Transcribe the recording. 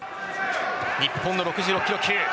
日本の６６キロ級。